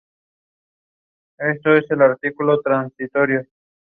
Un año más tarde ya trabajaba en París.